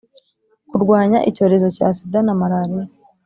kurwanya icyorezo cya sida na malariya